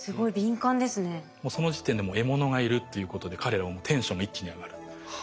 もうその時点でもう獲物がいるっていうことで彼らはもうテンションが一気に上がる。はあ。